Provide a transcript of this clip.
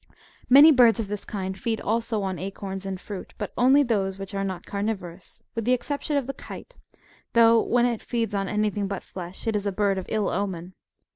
Many birds of this kind feed also on acorns and fruit, but only those which ai'e not carnivorous, with the exception of the kite ; though when it feeds on anything but flesh, it is a bird of ill omen.